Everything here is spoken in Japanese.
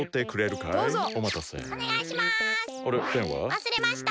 わすれました！